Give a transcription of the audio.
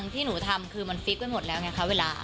ที่หนูทำคือมันฟีฟกันหมดแล้วไงคะเวลา